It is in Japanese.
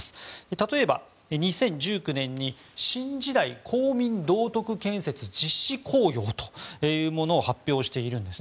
例えば２０１９年に新時代公民道徳建設実施綱要というものを発表しているんです。